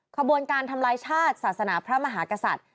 ขบวนการทำลายชาติศาสนาพระมหากษัตริย์